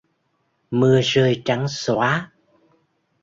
Mưa rơi trắng xóa